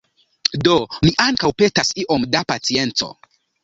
Do mi ankaŭ petas iom da pacienco.